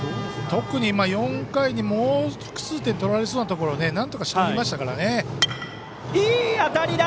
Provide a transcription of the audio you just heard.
特に４回、もう複数点取られそうなところをなんとか防ぎましたからね。